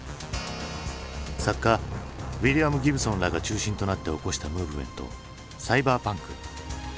作家ウイリアム・ギブソンらが中心となって起こしたムーブメント「サイバーパンク」。